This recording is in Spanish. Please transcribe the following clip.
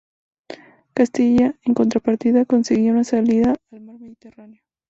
Castilla, en contrapartida, conseguía una salida al Mar Mediterráneo.